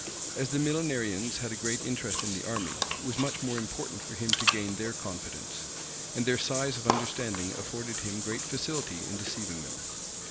As the Millenarians had a great interest in the army, it was much more important for him to gain their confidence; and their size of understanding afforded him great facility in deceiving them.